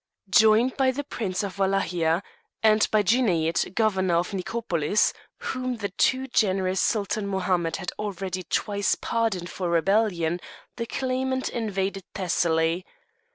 Joined by the Prince of Walachia, and by Djouneid, Governor of Nicopolis, whom the too generous Sultan Mohammed had already twice pardoned for rebellion, the claimant invaded Thessaly.